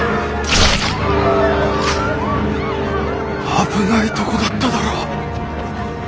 危ないとこだっただら。